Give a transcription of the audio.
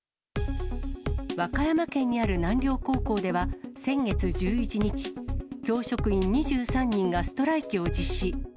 和歌山県にある南陵高校では、先月１１日、教職員２３人がストライキを実施。